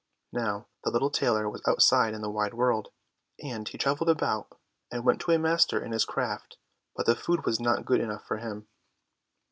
Now the little tailor was outside in the wide world, and he travelled about, and went to a master in his craft, but the food was not good enough for him.